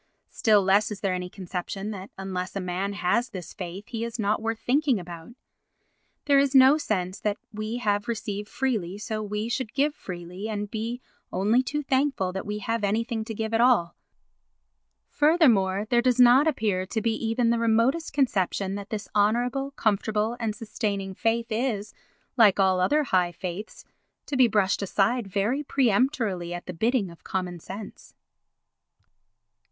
Still less is there any conception that unless a man has this faith he is not worth thinking about. There is no sense that as we have received freely so we should give freely and be only too thankful that we have anything to give at all. Furthermore there does not appear to be even the remotest conception that this honourable, comfortable and sustaining faith is, like all other high faiths, to be brushed aside very peremptorily at the bidding of common sense.